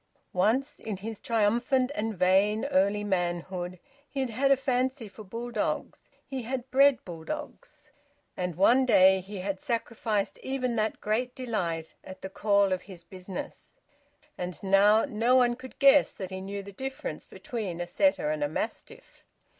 Once, in his triumphant and vain early manhood he had had a fancy for bulldogs; he had bred bulldogs; and one day he had sacrificed even that great delight at the call of his business; and now no one could guess that he knew the difference between a setter and a mastiff!